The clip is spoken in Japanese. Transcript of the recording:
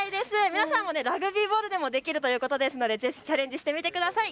皆さん、ラグビーボールでもできるということですのでぜひチャレンジしてみてください。